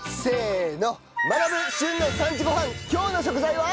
今日の食材は。